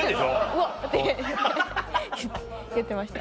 「うわ！」って言ってました。